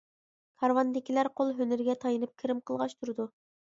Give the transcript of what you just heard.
كارۋاندىكىلەر قول ھۈنىرىگە تايىنىپ كىرىم قىلغاچ تۇرىدۇ.